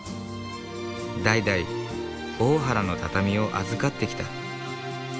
代々大原の畳を預かってきた。